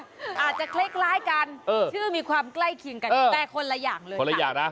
อ่าอาจจะคล้ายกันชื่อมีความใกล้เคียงกันแต่คนละอย่างเลยค่ะ